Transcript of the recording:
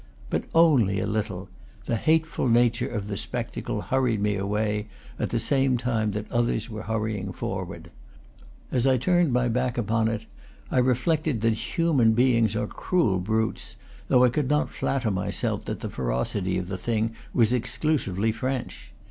But only a little; the hateful nature of the spectacle hurried me away, at the same time that others were hurrying for ward. As I turned my back upon it I reflected that human beings are cruel brutes, though I could not flatter myself that the ferocity of the thing was ex clusively French.